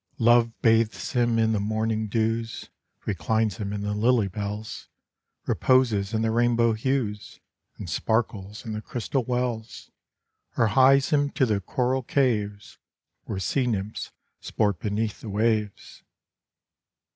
Love bathes him in the morning dews, Reclines him in the lily bells, Reposes in the rainbow hues, And sparkles in the crystal wells, Or hies him to the coral caves, Where sea nymphs sport beneath the waves.